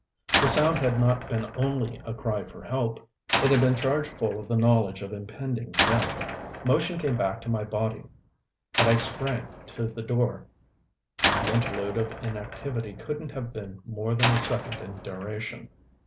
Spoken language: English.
The sound had not been only a cry for help. It had been charged full of the knowledge of impending death. Motion came back to my body; and I sprang to the door. The interlude of inactivity couldn't have been more than a second in duration.